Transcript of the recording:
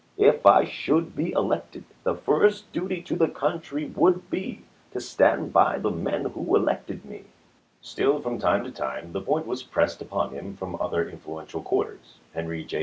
If I should be elected, the first duty to the country would be to stand by the men who elected me." Still, from time to time, the point was pressed upon him from other influential quarters. Henry J.